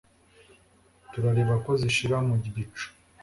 turareba ko zishira mu bicu